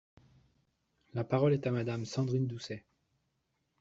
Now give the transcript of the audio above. La parole est à Madame Sandrine Doucet.